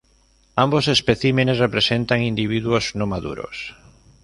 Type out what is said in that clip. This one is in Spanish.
Ambos especímenes representan individuos no maduros.